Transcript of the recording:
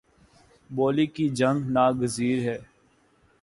بولی کی جنگ ناگزیر ہے